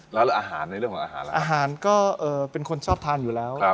แล้วหรืออาหารในเรื่องของอาหารล่ะครับอาหารก็เอ่อเป็นคนชอบทานอยู่แล้วครับ